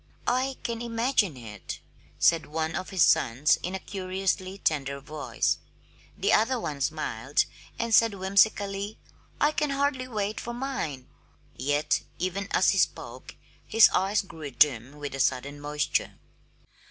"I can imagine it," said one of his sons in a curiously tender voice. The other one smiled, and said whimsically, "I can hardly wait for mine!" Yet even as he spoke his eyes grew dim with a sudden moisture.